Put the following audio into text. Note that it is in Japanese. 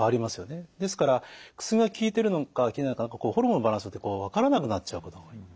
ですから薬が効いてるのか効いてないのかホルモンのバランスで分からなくなっちゃうことが多い。